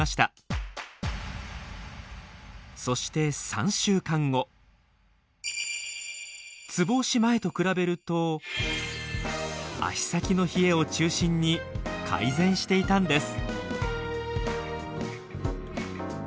そしてツボ押し前と比べると足先の冷えを中心に改善していたんです。